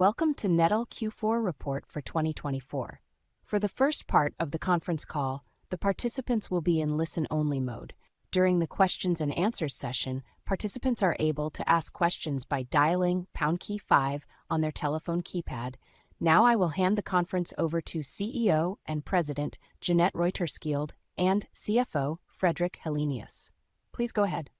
Welcome to Netel Q4 report for 2024. For the first part of the conference call, the participants will be in listen-only mode. During the Q&A session, participants are able to ask questions by dialing #5 on their telephone keypad. Now I will hand the conference over to CEO and President Jeanette Reuterskiöld and CFO Fredrik Helenius. Please go ahead.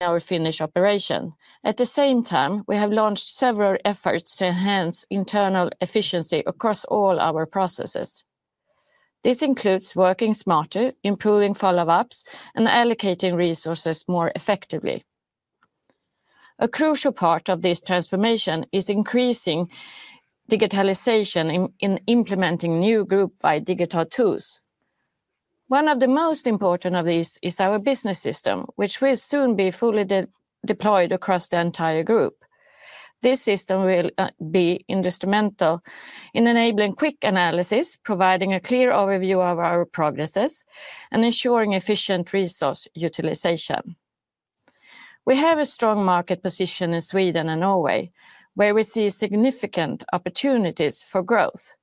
Our Finnish operation. At the same time, we have launched several efforts to enhance internal efficiency across all our processes. This includes working smarter, improving follow-ups, and allocating resources more effectively. A crucial part of this transformation is increasing digitalization in implementing new group-wide digital tools. One of the most important of these is our business system, which will soon be fully deployed across the entire group. This system will be instrumental in enabling quick analysis, providing a clear overview of our progresses, and ensuring efficient resource utilization. We have a strong market position in Sweden and Norway, where we see significant opportunities for growth,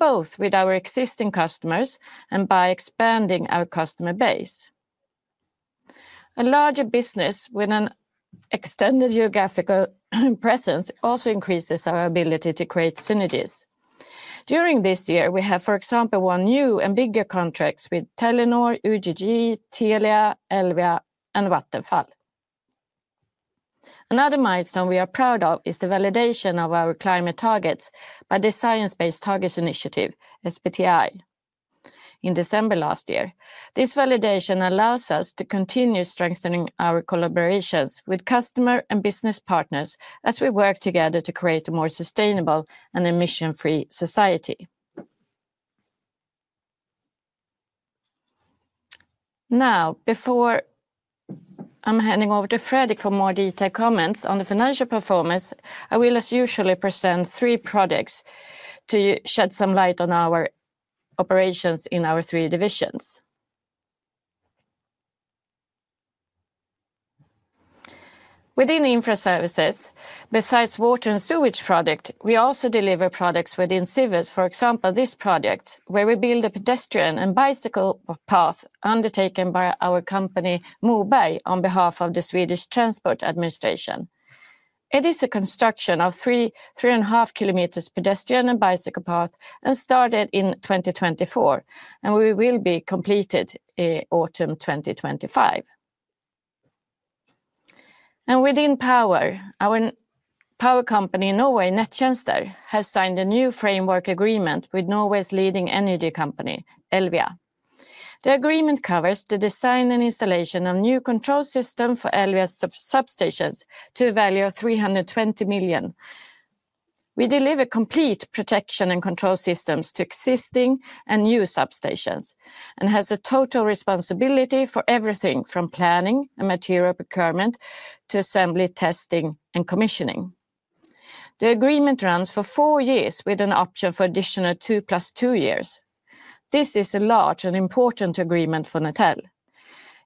both with our existing customers and by expanding our customer base. A larger business with an extended geographical presence also increases our ability to create synergies. During this year, we have, for example, won new and bigger contracts with Telenor, UGG, Telia, Elvia, and Vattenfall. Another milestone we are proud of is the validation of our climate targets by the Science Based Targets initiative, SBTi in December last year. This validation allows us to continue strengthening our collaborations with customer and business partners as we work together to create a more sustainable and emission-free society. Now, before I'm handing over to Fredrik for more detailed comments on the financial performance, I will, as usual, present three projects to shed some light on our operations in our three divisions. Within Infraservices, besides water and sewage projects, we also deliver projects within civil works. For example, this project where we build a pedestrian and bicycle path undertaken by our company, Moberg, on behalf of the Swedish Transport Administration. It is a construction of 3.5 km pedestrian and bicycle path and started in 2024, and we will be completed in autumn 2025. Within Power, our power company in Norway, Nett-Tjenester, has signed a new framework agreement with Norway's leading energy company, Elvia. The agreement covers the design and installation of new control systems for Elvia's substations to a value of 320 million. We deliver complete protection and control systems to existing and new substations and have total responsibility for everything from planning and material procurement to assembly, testing, and commissioning. The agreement runs for four years with an option for additional two, plus two years. This is a large and important agreement for Netel.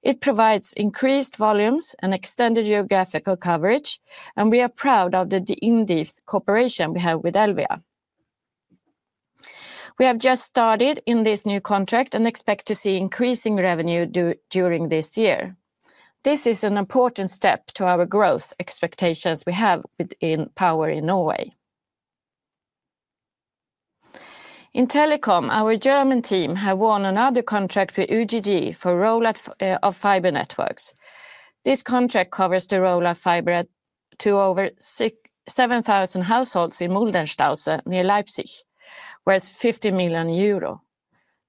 It provides increased volumes and extended geographical coverage, and we are proud of the in-depth cooperation we have with Elvia. We have just started in this new contract and expect to see increasing revenue during this year. This is an important step to our growth expectations we have within Power in Norway. In Telecom, our German team has won another contract with UGG for rollout of fiber networks. This contract covers the rollout of fiber to over 7,000 households in Muldestausee near Leipzig, worth 50 million euro.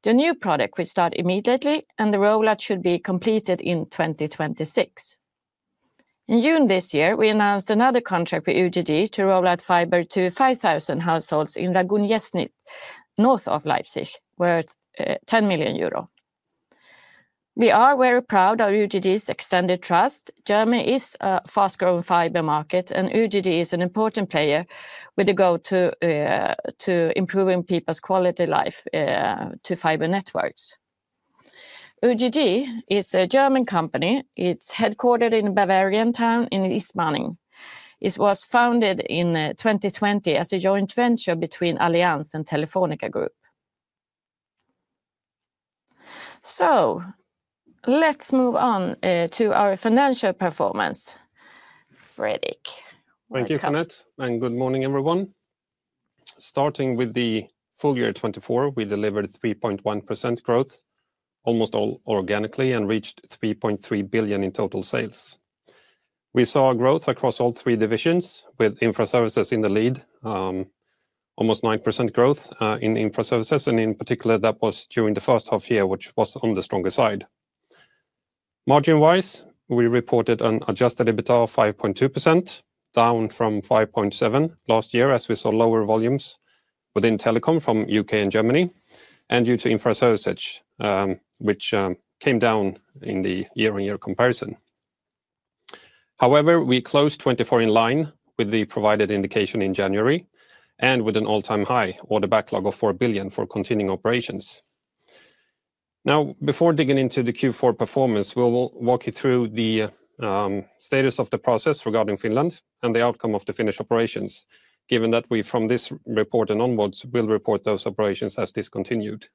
The new project will start immediately, and the rollout should be completed in 2026. In June this year, we announced another contract with UGG to rollout fiber to 5,000 households in Raguhn-Jeßnitz, north of Leipzig, worth 10 million euro. We are very proud of UGG's extended trust. Germany is a fast-growing fiber market, and UGG is an important player with a goal to improve people's quality of life through fiber networks. UGG is a German company. It is headquartered in a Bavarian town in Ismaning. It was founded in 2020 as a joint venture between Allianz and Telefónica Group. Let's move on to our financial performance. Fredrik. Thank you, Jeanette, and good morning, everyone. Starting with the full year 2024, we delivered 3.1% growth, almost all organically, and reached 3.3 billion in total sales. We saw growth across all three divisions, with Infraservices in the lead, almost 9% growth in Infraservices, and in particular, that was during the first half year, which was on the stronger side. Margin-wise, we reported an adjusted EBITDA of 5.2%, down from 5.7% last year, as we saw lower volumes within Telecom from the U.K. and Germany, and due to Infraservices, which came down in the year-on-year comparison. However, we closed 2024 in line with the provided indication in January and with an all-time high, or the backlog of 4 billion, for continuing operations. Now, before digging into the Q4 performance, we'll walk you through the status of the process regarding Finland and the outcome of the Finnish operations, given that we, from this report and onwards, will report those operations as discontinued.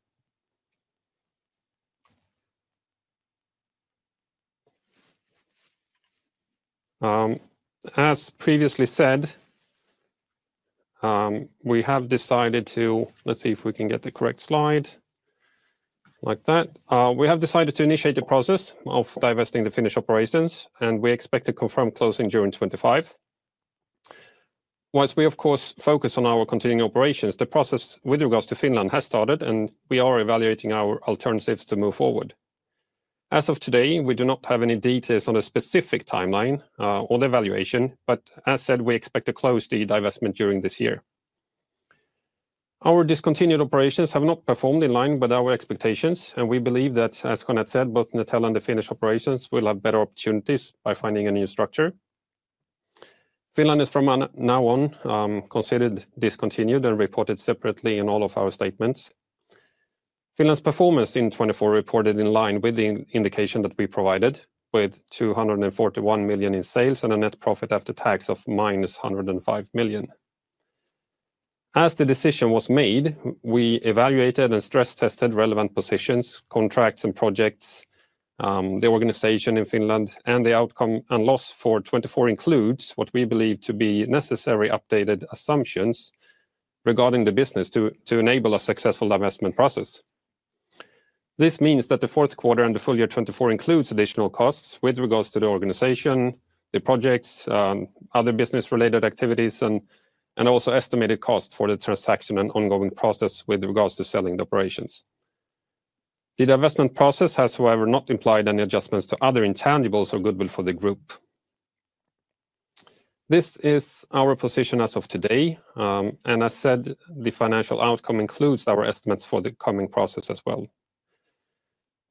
As previously said, we have decided to—let's see if we can get the correct slide like that. We have decided to initiate the process of divesting the Finnish operations, and we expect to confirm closing June 2025. Once we, of course, focus on our continuing operations, the process with regards to Finland has started, and we are evaluating our alternatives to move forward. As of today, we do not have any details on a specific timeline or the evaluation, but as said, we expect to close the divestment during this year. Our discontinued operations have not performed in line with our expectations, and we believe that, as Jeanette said, both Netel and the Finnish operations will have better opportunities by finding a new structure. Finland is, from now on, considered discontinued and reported separately in all of our statements. Finland's performance in 2024 reported in line with the indication that we provided, with 241 million in sales and a net profit after tax of minus 105 million. As the decision was made, we evaluated and stress-tested relevant positions, contracts, and projects, the organization in Finland, and the outcome and loss for 2024 includes what we believe to be necessary updated assumptions regarding the business to enable a successful divestment process. This means that the fourth quarter and the full year 2024 includes additional costs with regards to the organization, the projects, other business-related activities, and also estimated costs for the transaction and ongoing process with regards to selling the operations. The divestment process has, however, not implied any adjustments to other intangibles or goodwill for the group. This is our position as of today, and as said, the financial outcome includes our estimates for the coming process as well.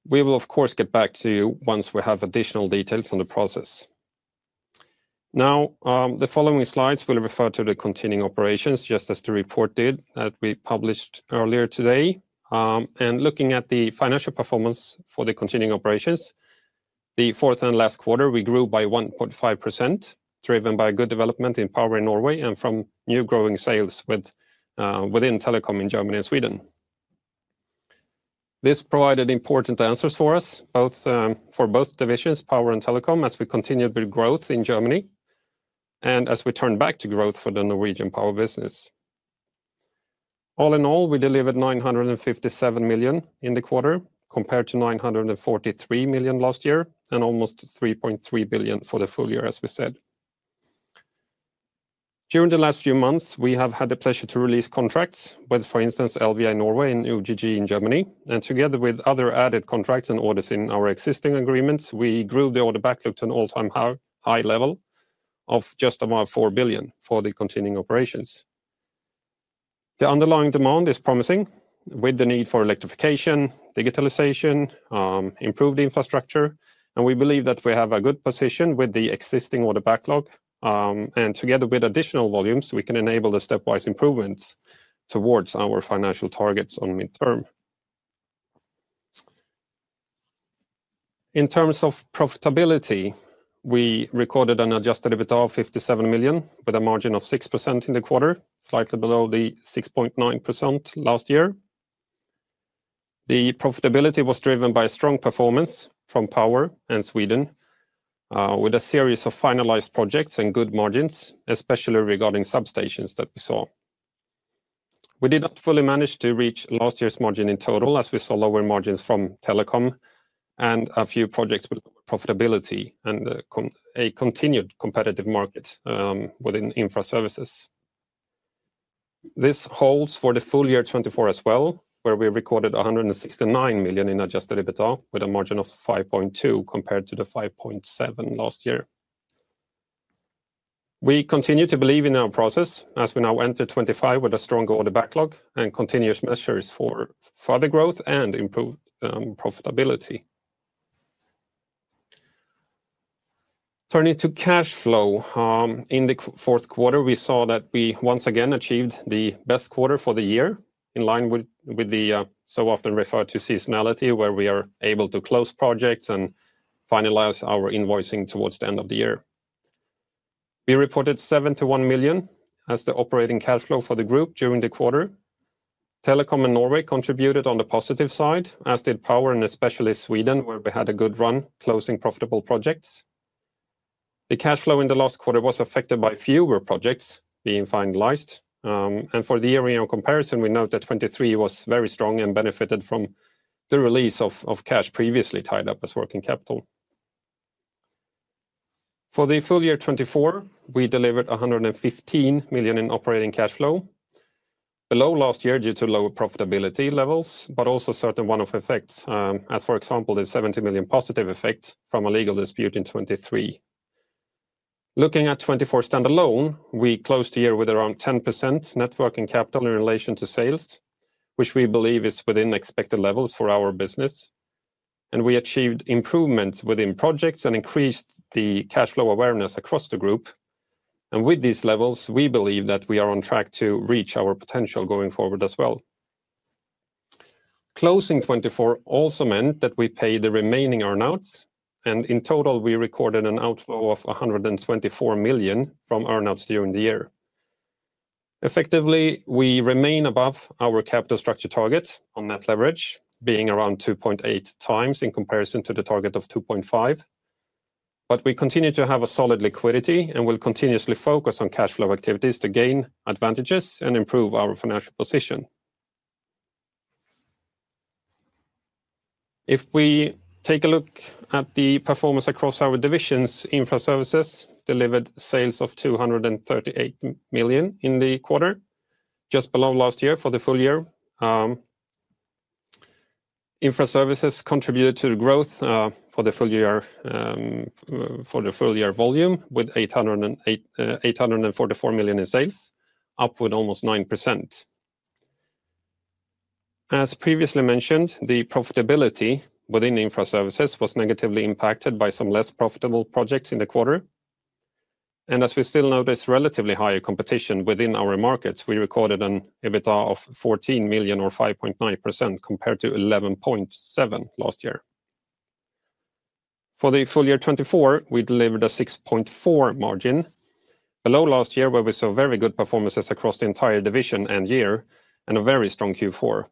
We will, of course, get back to you once we have additional details on the process. Now, the following slides will refer to the continuing operations, just as the report did that we published earlier today. Looking at the financial performance for the continuing operations, the fourth and last quarter, we grew by 1.5%, driven by good development in Power in Norway and from new growing sales within Telecom in Germany and Sweden. This provided important answers for us, both for both divisions, Power and Telecom, as we continued with growth in Germany and as we turned back to growth for the Norwegian Power business. All in all, we delivered 957 million in the quarter, compared to 943 million last year and almost 3.3 billion for the full year, as we said. During the last few months, we have had the pleasure to release contracts with, for instance, Elvia Norway and UGG in Germany, and together with other added contracts and orders in our existing agreements, we grew the order backlog to an all-time high level of just about 4 billion for the continuing operations. The underlying demand is promising, with the need for electrification, digitalization, improved infrastructure, and we believe that we have a good position with the existing order backlog, and together with additional volumes, we can enable the stepwise improvements towards our financial targets on midterm. In terms of profitability, we recorded an adjusted EBITDA of 57 million, with a margin of 6% in the quarter, slightly below the 6.9% last year. The profitability was driven by strong performance from Power and Sweden, with a series of finalized projects and good margins, especially regarding substations that we saw. We did not fully manage to reach last year's margin in total, as we saw lower margins from Telecom and a few projects with lower profitability and a continued competitive market within Infraservices. This holds for the full year 2024 as well, where we recorded 169 million in adjusted EBITDA, with a margin of 5.2% compared to the 5.7% last year. We continue to believe in our process as we now enter 2025 with a stronger order backlog and continuous measures for further growth and improved profitability. Turning to cash flow, in the fourth quarter, we saw that we once again achieved the best quarter for the year, in line with the so often referred to seasonality, where we are able to close projects and finalize our invoicing towards the end of the year. We reported 71 million as the operating cash flow for the group during the quarter. Telecom and Norway contributed on the positive side, as did Power and especially Sweden, where we had a good run closing profitable projects. The cash flow in the last quarter was affected by fewer projects being finalized, and for the year-on-year comparison, we note that 2023 was very strong and benefited from the release of cash previously tied up as working capital. For the full year 2024, we delivered 115 million in operating cash flow, below last year due to lower profitability levels, but also certain one-off effects, as for example, the 70 million positive effect from a legal dispute in 2023. Looking at 2024 standalone, we closed the year with around 10% net working capital in relation to sales, which we believe is within expected levels for our business, and we achieved improvements within projects and increased the cash flow awareness across the group. With these levels, we believe that we are on track to reach our potential going forward as well. Closing 2024 also meant that we paid the remaining earnouts, and in total, we recorded an outflow of 124 million from earnouts during the year. Effectively, we remain above our capital structure target on net leverage, being around 2.8 times in comparison to the target of 2.5, but we continue to have solid liquidity and will continuously focus on cash flow activities to gain advantages and improve our financial position. If we take a look at the performance across our divisions, Infraservices delivered sales of 238 million in the quarter, just below last year. For the full year, Infraservices contributed to the growth for the full year volume with 844 million in sales, up with almost 9%. As previously mentioned, the profitability within Infraservices was negatively impacted by some less profitable projects in the quarter, and as we still notice relatively high competition within our markets, we recorded an EBITDA of 14 million or 5.9% compared to 11.7% last year. For the full year 2024, we delivered a 6.4% margin, below last year, where we saw very good performances across the entire division and year and a very strong Q4.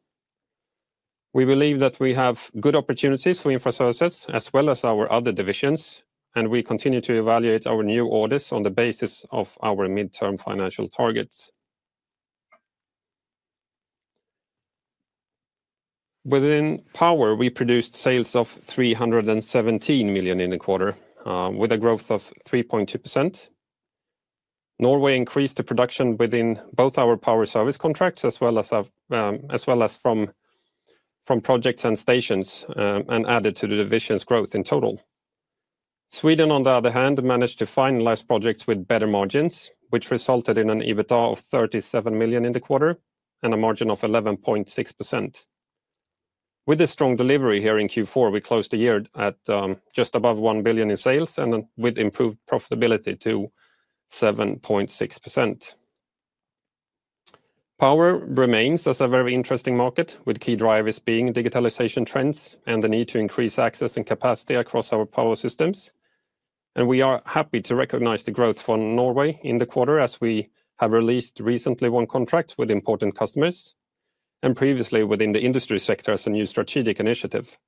We believe that we have good opportunities for Infraservices as well as our other divisions, and we continue to evaluate our new orders on the basis of our midterm financial targets. Within Power, we produced sales of 317 million in the quarter, with a growth of 3.2%. Norway increased the production within both our Power service contracts as well as from projects and stations, and added to the division's growth in total. Sweden, on the other hand, managed to finalize projects with better margins, which resulted in an EBITDA of 37 million in the quarter and a margin of 11.6%. With a strong delivery here in Q4, we closed the year at just above 1 billion in sales and with improved profitability to 7.6%. Power remains as a very interesting market, with key drivers being digitalization trends and the need to increase access and capacity across our power systems, and we are happy to recognize the growth for Norway in the quarter as we have released recently one contract with important customers and previously within the industry sector as a new strategic initiative.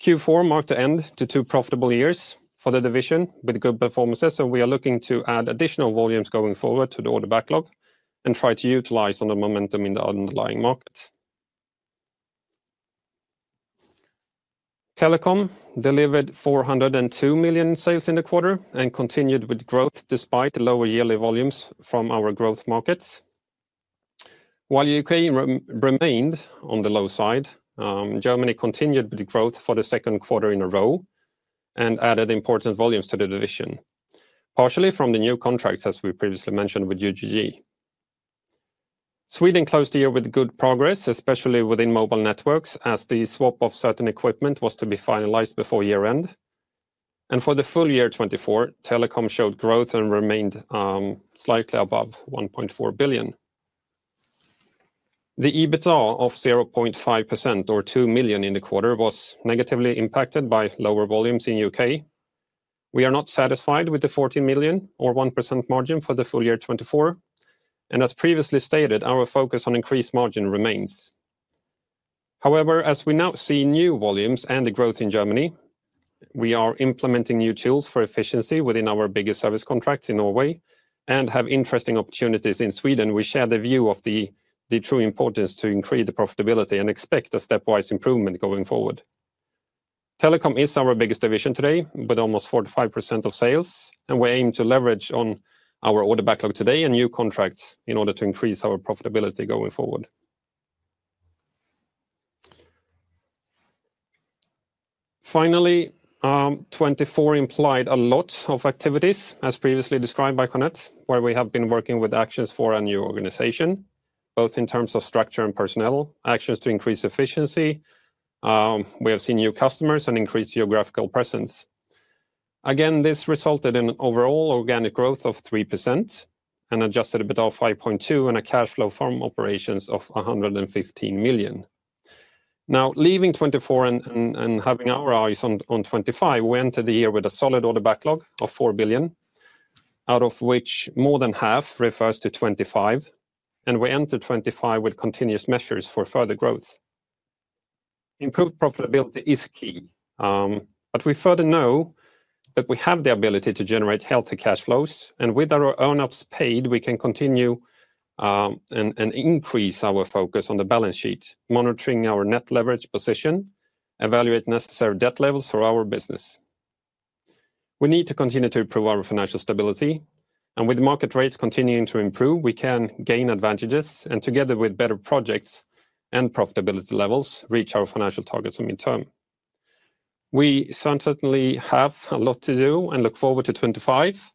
Q4 marked the end to two profitable years for the division with good performances, so we are looking to add additional volumes going forward to the order backlog and try to utilize on the momentum in the underlying markets. Telecom delivered 402 million in sales in the quarter and continued with growth despite lower yearly volumes from our growth markets. While the U.K. remained on the low side, Germany continued with growth for the second quarter in a row and added important volumes to the division, partially from the new contracts, as we previously mentioned with UGG. Sweden closed the year with good progress, especially within mobile networks, as the swap of certain equipment was to be finalized before year-end, and for the full year 2024, Telecom showed growth and remained slightly above 1.4 billion. The EBITDA of 0.5% or 2 million in the quarter was negatively impacted by lower volumes in the U.K. We are not satisfied with the 14 million or 1% margin for the full year 2024, and as previously stated, our focus on increased margin remains. However, as we now see new volumes and the growth in Germany, we are implementing new tools for efficiency within our biggest service contracts in Norway and have interesting opportunities in Sweden. We share the view of the true importance to increase the profitability and expect a stepwise improvement going forward. Telecom is our biggest division today with almost 45% of sales, and we aim to leverage on our order backlog today and new contracts in order to increase our profitability going forward. Finally, 2024 implied a lot of activities, as previously described by Jeanette, where we have been working with actions for a new organization, both in terms of structure and personnel, actions to increase efficiency. We have seen new customers and increased geographical presence. Again, this resulted in an overall organic growth of 3% and adjusted EBITDA of 5.2 and a cash flow from operations of 115 million. Now, leaving 2024 and having our eyes on 2025, we entered the year with a solid order backlog of 4 billion, out of which more than half refers to 2025, and we entered 2025 with continuous measures for further growth. Improved profitability is key, but we further know that we have the ability to generate healthy cash flows, and with our earnouts paid, we can continue and increase our focus on the balance sheet, monitoring our net leverage position, evaluate necessary debt levels for our business. We need to continue to improve our financial stability, and with market rates continuing to improve, we can gain advantages and together with better projects and profitability levels, reach our financial targets in midterm. We certainly have a lot to do and look forward to 2025,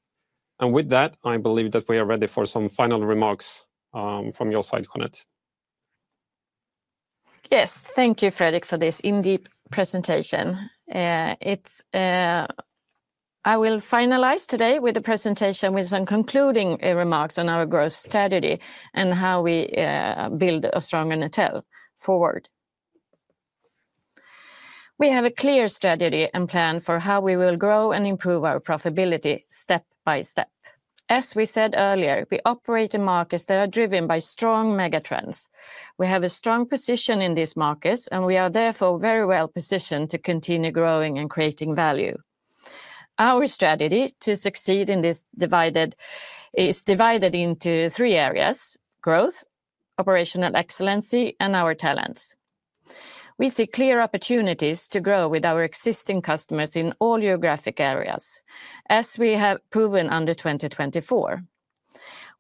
and with that, I believe that we are ready for some final remarks from your side, Jeanette. Yes, thank you, Fredrik, for this in-depth presentation. I will finalize today with the presentation with some concluding remarks on our growth strategy and how we build a stronger Netel forward. We have a clear strategy and plan for how we will grow and improve our profitability step by step. As we said earlier, we operate in markets that are driven by strong megatrends. We have a strong position in these markets, and we are therefore very well positioned to continue growing and creating value. Our strategy to succeed is divided into three areas: growth, operational excellency, and our talents. We see clear opportunities to grow with our existing customers in all geographic areas, as we have proven under 2024.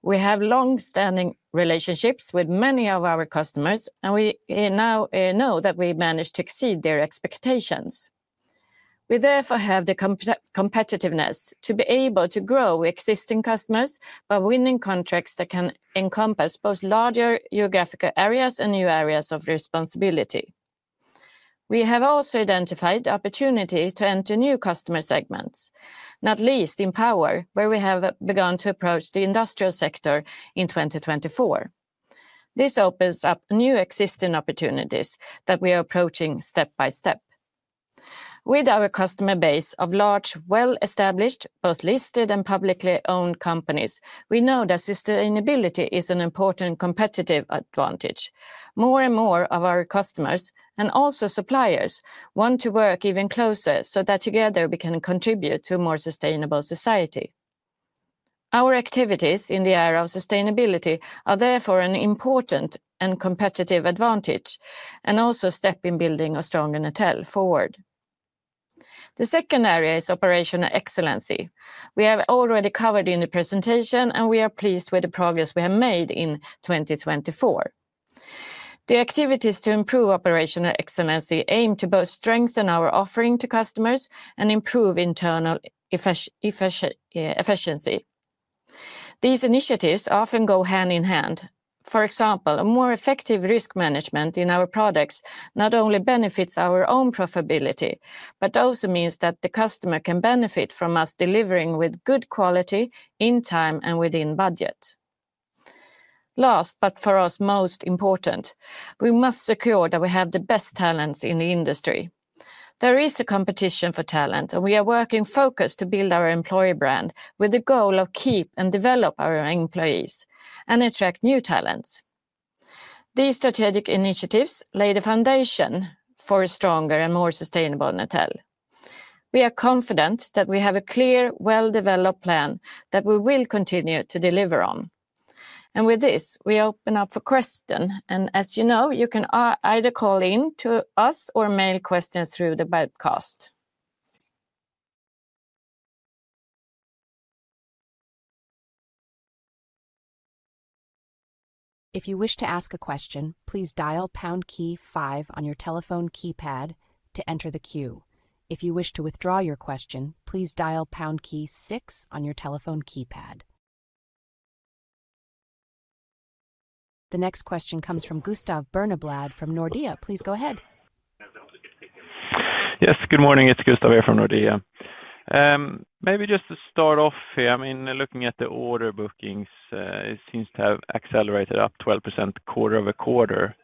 We have long-standing relationships with many of our customers, and we now know that we managed to exceed their expectations. We therefore have the competitiveness to be able to grow with existing customers by winning contracts that can encompass both larger geographical areas and new areas of responsibility. We have also identified the opportunity to enter new customer segments, not least in Power, where we have begun to approach the industrial sector in 2024. This opens up new existing opportunities that we are approaching step by step. With our customer base of large, well-established, both listed and publicly owned companies, we know that sustainability is an important competitive advantage. More and more of our customers and also suppliers want to work even closer so that together we can contribute to a more sustainable society. Our activities in the area of sustainability are therefore an important and competitive advantage and also a step in building a stronger Netel forward. The second area is operational excellency. We have already covered in the presentation, and we are pleased with the progress we have made in 2024. The activities to improve operational excellency aim to both strengthen our offering to customers and improve internal efficiency. These initiatives often go hand in hand. For example, a more effective risk management in our products not only benefits our own profitability, but also means that the customer can benefit from us delivering with good quality, in time, and within budget. Last, but for us most important, we must secure that we have the best talents in the industry. There is a competition for talent, and we are working focused to build our employee brand with the goal of keeping and developing our employees and attracting new talents. These strategic initiatives lay the foundation for a stronger and more sustainable Netel. We are confident that we have a clear, well-developed plan that we will continue to deliver on. With this, we open up for questions, and as you know, you can either call in to us or mail questions through the webcast. If you wish to ask a question, please dial pound key five on your telephone keypad to enter the queue. If you wish to withdraw your question, please dial pound key on your telephone keypad. The next question comes from Gustav Berneblad from Nordea. Please go ahead. Yes, good morning. It's Gustav here from Nordea. Maybe just to start off here, I mean, looking at the order bookings, it seems to have accelerated up 12% quarter-over-quarter.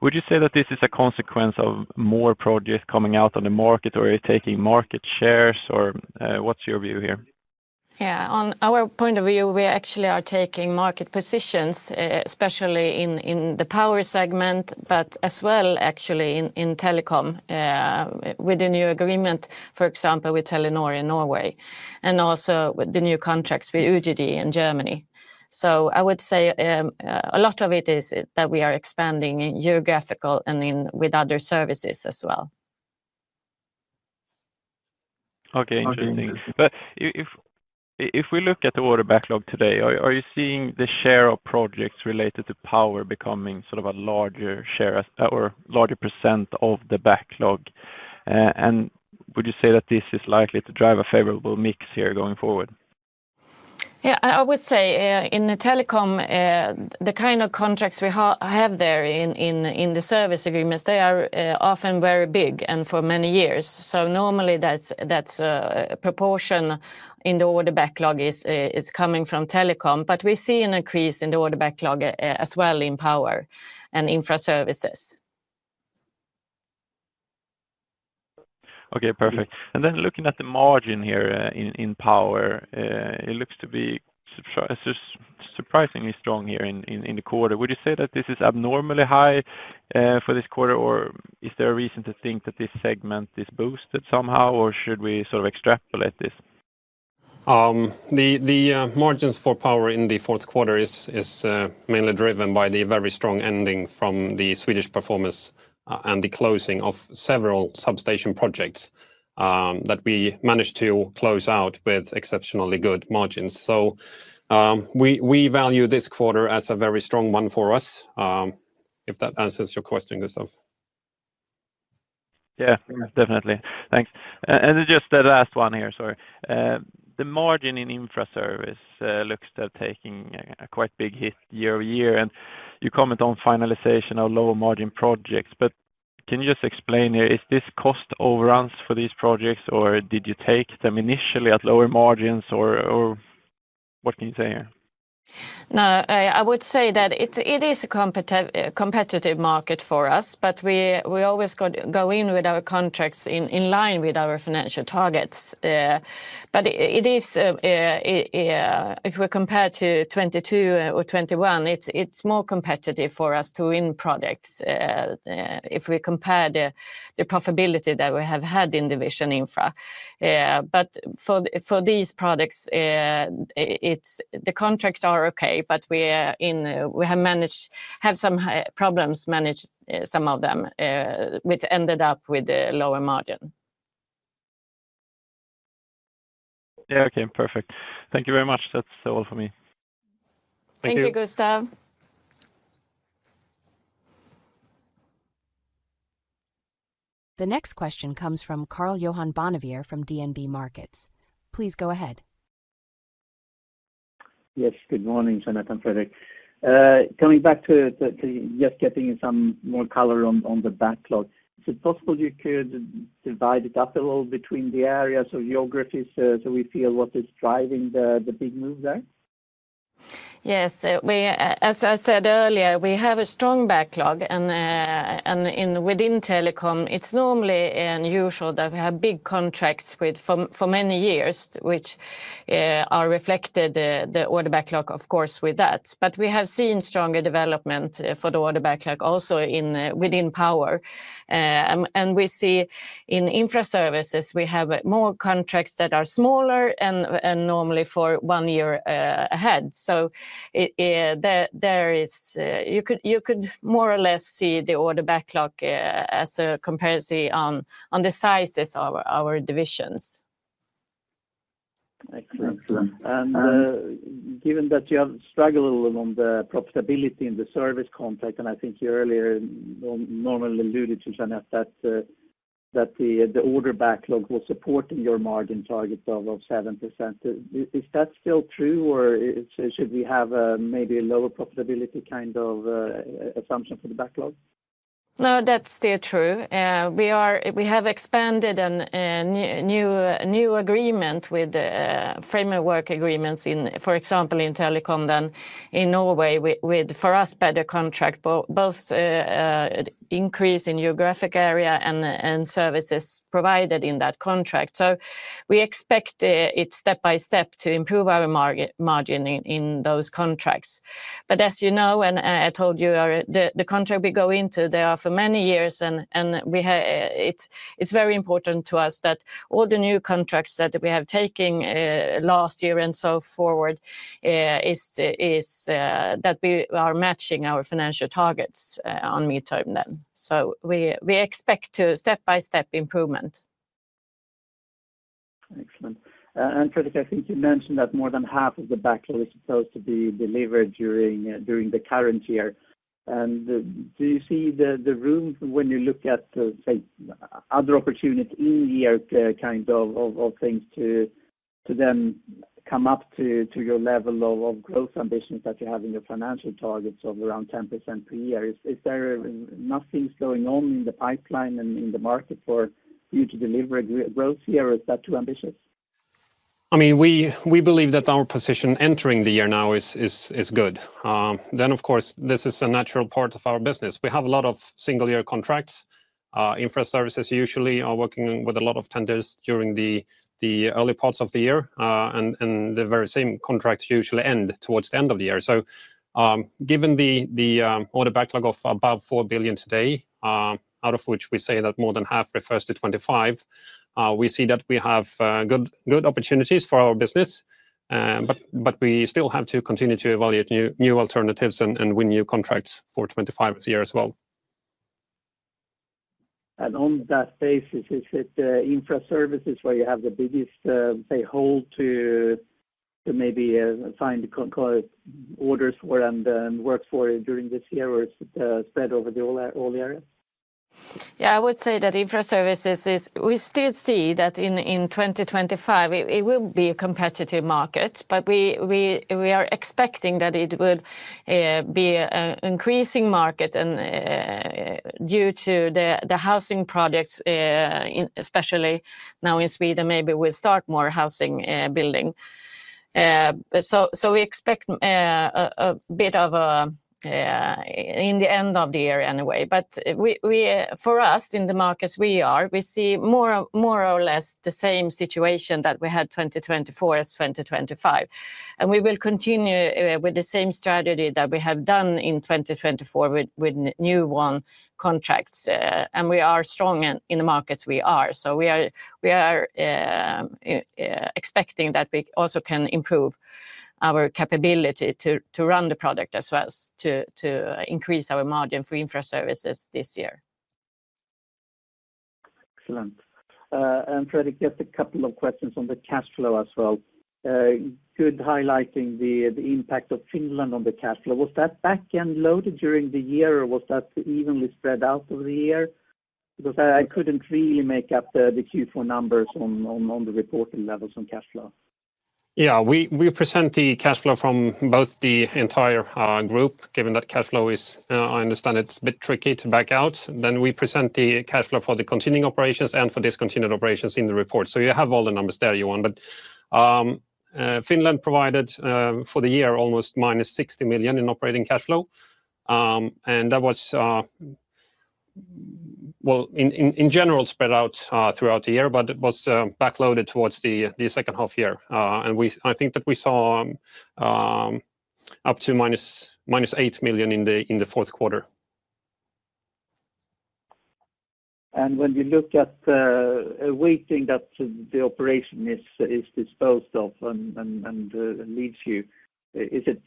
Would you say that this is a consequence of more projects coming out on the market, or are you taking market shares, or what's your view here? Yeah, on our point of view, we actually are taking market positions, especially in the Power segment, but as well actually in Telecom with the new agreement, for example, with Telenor in Norway, and also with the new contracts with UGG in Germany. I would say a lot of it is that we are expanding in geographical and with other services as well. Okay, interesting. If we look at the order backlog today, are you seeing the share of projects related to Power becoming sort of a larger share or larger percent of the backlog? Would you say that this is likely to drive a favorable mix here going forward? Yeah, I would say in Telecom, the kind of contracts we have there in the service agreements, they are often very big and for many years. Normally, that proportion in the order backlog is coming from Telecom, but we see an increase in the order backlog as well in Power and Infraservices. Okay, perfect. Then looking at the margin here in Power, it looks to be surprisingly strong here in the quarter. Would you say that this is abnormally high for this quarter, or is there a reason to think that this segment is boosted somehow, or should we sort of extrapolate this? The margins for Power in the fourth quarter is mainly driven by the very strong ending from the Swedish performance and the closing of several substation projects that we managed to close out with exceptionally good margins. We value this quarter as a very strong one for us, if that answers your question, Gustav. Yeah, definitely. Thanks. Just the last one here, sorry. The margin in Infraservices looks to have taken a quite big hit year-over-year, and you comment on finalization of lower margin projects, but can you just explain here, is this cost overruns for these projects, or did you take them initially at lower margins, or what can you say here? No, I would say that it is a competitive market for us, but we always go in with our contracts in line with our financial targets. It is, if we compare to 2022 or 2021, more competitive for us to win projects if we compare the profitability that we have had in division Infra. For these products, the contracts are okay, but we have some problems managed some of them, which ended up with a lower margin. Yeah, okay, perfect. Thank you very much. That's all for me. Thank you. Thank you, Gustav. The next question comes from Karl-Johan Bonnevier from DNB Markets. Please go ahead. Yes, good morning, Jeanette and Fredrik. Coming back to just getting some more color on the backlog, is it possible you could divide it up a little between the areas of geographies so we feel what is driving the big move there? Yes, as I said earlier, we have a strong backlog, and within Telecom, it's normally unusual that we have big contracts for many years, which are reflected in the order backlog, of course, with that. We have seen stronger development for the order backlog also within Power. We see in Infraservices, we have more contracts that are smaller and normally for one year ahead. You could more or less see the order backlog as a comparison on the sizes of our divisions. Excellent. Given that you have struggled a little on the profitability in the service contract, and I think you earlier normally alluded to, Jeanette, that the order backlog was supporting your margin targets of 7%. Is that still true, or should we have maybe a lower profitability kind of assumption for the backlog? No, that's still true. We have expanded a new agreement with framework agreements, for example, in Telecom then in Norway with, for us, better contract, both increase in geographic area and services provided in that contract. We expect it step by step to improve our margin in those contracts. As you know, I told you, the contract we go into, they are for many years, and it's very important to us that all the new contracts that we have taken last year and so forward is that we are matching our financial targets on midterm then. We expect step-by-step improvement. Excellent. Fredrik, I think you mentioned that more than half of the backlog is supposed to be delivered during the current year. Do you see the room when you look at, say, other opportunities in the year, kind of things to then come up to your level of growth ambitions that you have in your financial targets of around 10% per year? Is there nothing going on in the pipeline and in the market for you to deliver a growth here, or is that too ambitious? I mean, we believe that our position entering the year now is good. Of course, this is a natural part of our business. We have a lot of single-year contracts. Infraservices usually are working with a lot of tenders during the early parts of the year, and the very same contracts usually end towards the end of the year. Given the order backlog of above 4 billion today, out of which we say that more than half refers to 2025, we see that we have good opportunities for our business, but we still have to continue to evaluate new alternatives and win new contracts for 2025 as well. On that basis, is it Infraservices where you have the biggest, say, hold to maybe find orders for and work for during this year, or is it spread over all areas? Yeah, I would say that Infraservices, we still see that in 2025, it will be a competitive market, but we are expecting that it would be an increasing market due to the housing projects, especially now in Sweden, maybe we'll start more housing building. We expect a bit of a in the end of the year anyway. For us in the markets we are, we see more or less the same situation that we had 2024 as 2025. We will continue with the same strategy that we have done in 2024 with new one contracts. We are strong in the markets we are. We are expecting that we also can improve our capability to run the product as well as to increase our margin for Infraservices this year. Excellent. Fredrik, just a couple of questions on the cash flow as well. Good highlighting the impact of Finland on the cash flow. Was that backend loaded during the year, or was that evenly spread out over the year? Because I couldn't really make up the Q4 numbers on the reported levels on cash flow. Yeah, we present the cash flow from both the entire group, given that cash flow is, I understand it's a bit tricky to back out. We present the cash flow for the continuing operations and for discontinued operations in the report. You have all the numbers there you want. Finland provided for the year almost -60 million in operating cash flow. That was, in general, spread out throughout the year, but it was backloaded towards the second half year. I think that we saw up to -8 million in the fourth quarter. When you look at weighting that the operation is disposed of and leaves you, is it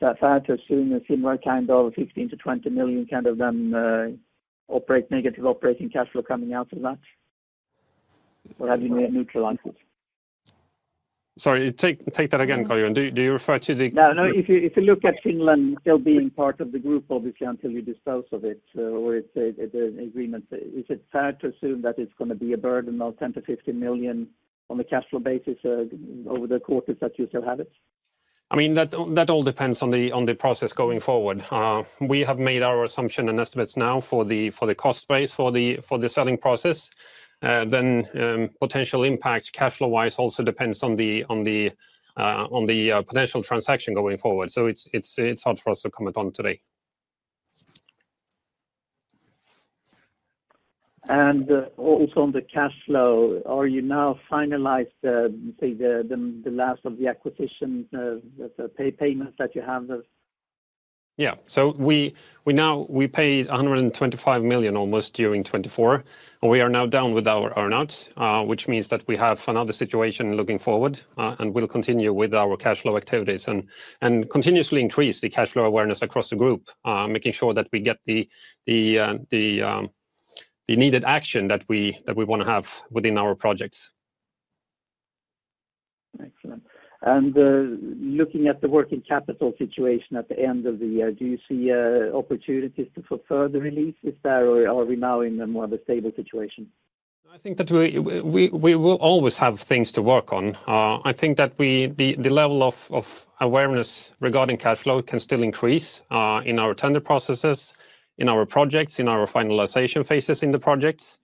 that as soon as similar kind of 15 million-20 million kind of then negative operating cash flow coming out of that? Or have you neutralized it? Sorry, take that again, Karl-Johan. Do you refer to the— No, no, if you look at Finland still being part of the group, obviously, until you dispose of it, or it's an agreement, is it fair to assume that it's going to be a burden of 10 million-15 million on the cash flow basis over the quarters that you still have it? I mean, that all depends on the process going forward. We have made our assumption and estimates now for the cost base for the selling process. Potential impact cash flow-wise also depends on the potential transaction going forward. It is hard for us to comment on today. Also on the cash flow, are you now finalized, say, the last of the acquisition payments that you have? Yeah, so we paid 125 million almost during 2024, and we are now down with our earnouts, which means that we have another situation looking forward, and we will continue with our cash flow activities and continuously increase the cash flow awareness across the group, making sure that we get the needed action that we want to have within our projects. Excellent. Looking at the working capital situation at the end of the year, do you see opportunities for further releases there, or are we now in more of a stable situation? I think that we will always have things to work on. I think that the level of awareness regarding cash flow can still increase in our tender processes, in our projects, in our finalization phases in the projects.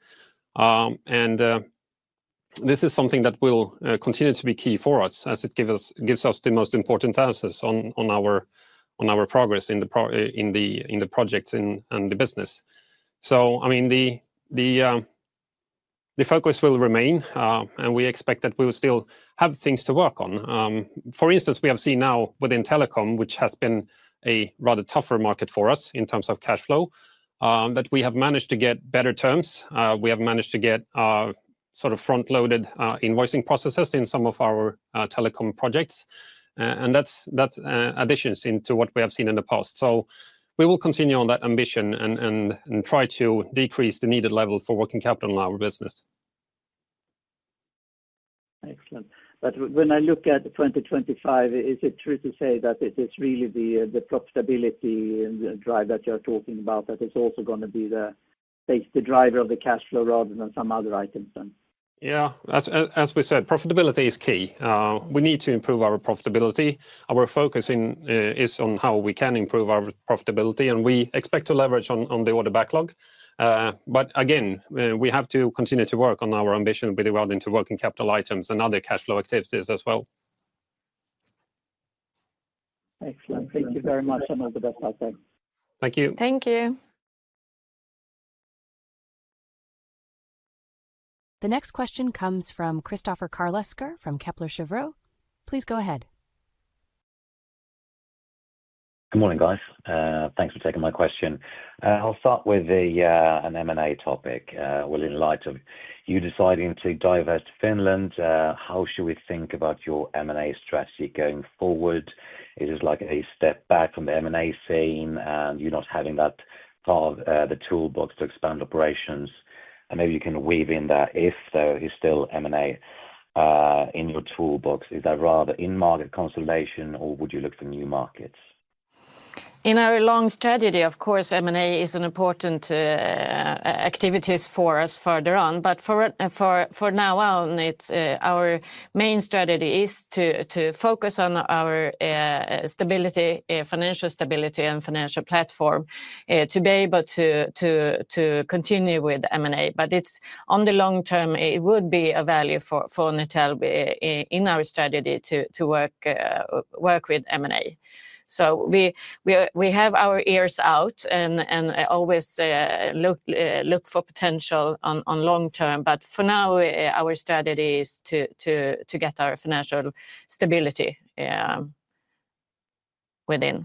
This is something that will continue to be key for us, as it gives us the most important answers on our progress in the projects and the business. I mean, the focus will remain, and we expect that we will still have things to work on. For instance, we have seen now within Telecom, which has been a rather tougher market for us in terms of cash flow, that we have managed to get better terms. We have managed to get sort of front-loaded invoicing processes in some of our Telecom projects. That is additions into what we have seen in the past. We will continue on that ambition and try to decrease the needed level for working capital in our business. Excellent. When I look at 2025, is it true to say that it is really the profitability drive that you're talking about that is also going to be the driver of the cash flow rather than some other items then? Yeah, as we said, profitability is key. We need to improve our profitability. Our focus is on how we can improve our profitability, and we expect to leverage on the order backlog. Again, we have to continue to work on our ambition with regarding to working capital items and other cash flow activities as well. Excellent. Thank you very much, and all the best out there. Thank you. Thank you. The next question comes from Kristoffer Carleskär from Kepler Cheuvreux. Please go ahead. Good morning, guys. Thanks for taking my question. I'll start with an M&A topic. In light of you deciding to divest Finland, how should we think about your M&A strategy going forward? Is it like a step back from the M&A scene, and you're not having that part of the toolbox to expand operations? Maybe you can weave in that if there is still M&A in your toolbox. Is that rather in-market consolidation, or would you look for new markets? In our long strategy, of course, M&A is an important activity for us further on. For now, our main strategy is to focus on our financial stability and financial platform to be able to continue with M&A. On the long term, it would be a value for Netel in our strategy to work with M&A. We have our ears out and always look for potential on long term. For now, our strategy is to get our financial stability within.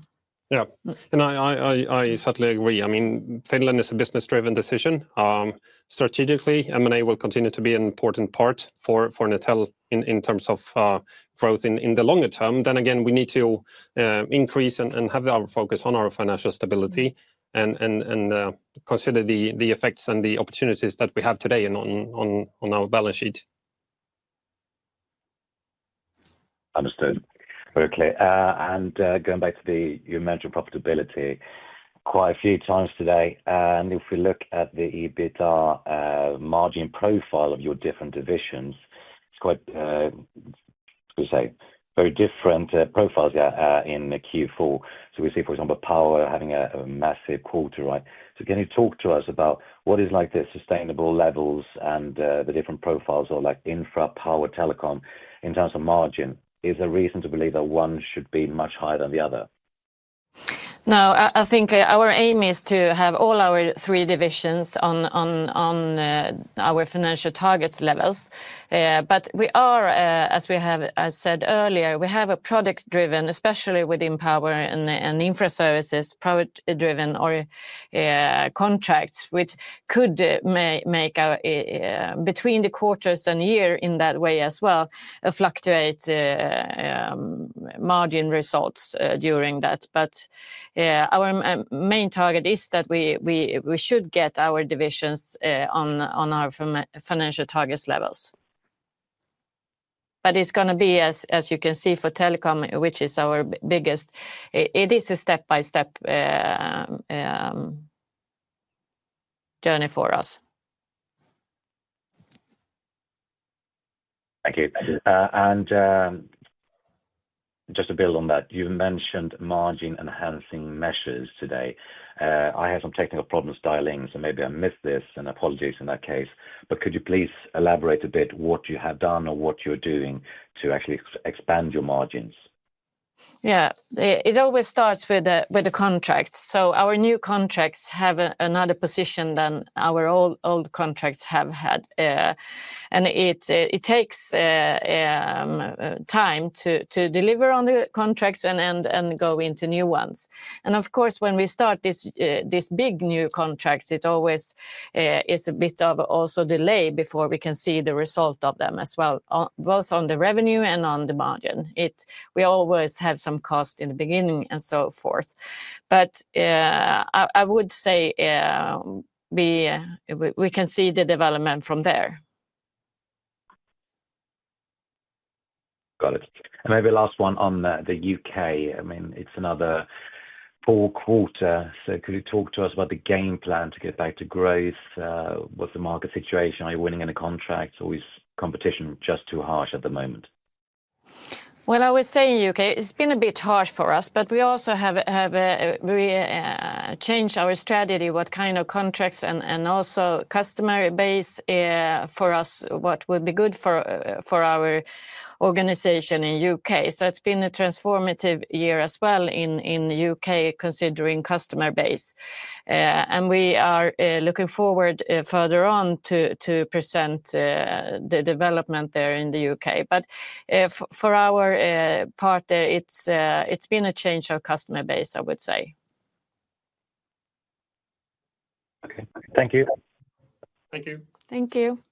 Yeah, I certainly agree. I mean, Finland is a business-driven decision. Strategically, M&A will continue to be an important part for Netel in terms of growth in the longer term. We need to increase and have our focus on our financial stability and consider the effects and the opportunities that we have today on our balance sheet. Understood. Okay. Going back to the, you mentioned profitability quite a few times today. If we look at the EBITDA margin profile of your different divisions, it's quite, what do you say, very different profiles in Q4. We see, for example, Power having a massive quarter, right? Can you talk to us about what is like the sustainable levels and the different profiles or like Infra, Power, Telecom in terms of margin? Is there reason to believe that one should be much higher than the other? No, I think our aim is to have all our three divisions on our financial target levels. We are, as we have said earlier, we have a product-driven, especially within Power and Infraservices, product-driven contracts, which could make between the quarters and year in that way as well, fluctuate margin results during that. Our main target is that we should get our divisions on our financial target levels. It is going to be, as you can see, for Telecom, which is our biggest, it is a step-by-step journey for us. Thank you. Just to build on that, you have mentioned margin-enhancing measures today. I had some technical problems dialing, so maybe I missed this and apologies in that case. Could you please elaborate a bit what you have done or what you're doing to actually expand your margins? Yeah, it always starts with the contracts. Our new contracts have another position than our old contracts have had. It takes time to deliver on the contracts and go into new ones. Of course, when we start these big new contracts, it always is a bit of also delay before we can see the result of them as well, both on the revenue and on the margin. We always have some cost in the beginning and so forth. I would say we can see the development from there. Got it. Maybe last one on the U.K. I mean, it's another four quarters. Could you talk to us about the game plan to get back to growth? What's the market situation? Are you winning any contracts or is competition just too harsh at the moment? I would say U.K., it's been a bit harsh for us, but we also have changed our strategy, what kind of contracts and also customer base for us, what would be good for our organization in U.K. It has been a transformative year as well in U.K. considering customer base. We are looking forward further on to present the development there in the U.K. For our part there, it's been a change of customer base, I would say. Okay. Thank you. Thank you. Thank you.